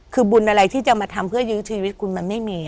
คือบุญอะไรที่จะมาทำเพื่อยื้อชีวิตคุณมันไม่มี